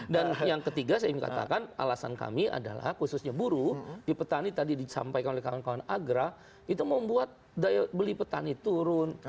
dan yang ketiga saya ingin katakan alasan kami adalah khususnya buru di petani tadi disampaikan oleh kawan kawan agra itu membuat daya beli petani turun